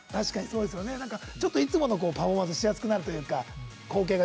いつものパフォーマンスしやすくなるというか。